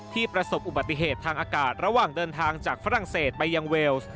ประสบอุบัติเหตุทางอากาศระหว่างเดินทางจากฝรั่งเศสไปยังเวลส์